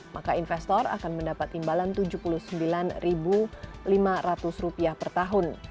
maka investor akan mendapat imbalan rp tujuh puluh sembilan lima ratus per tahun